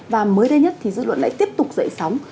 và mới đây nhất thì dư luận lại tiếp tục dậy sóng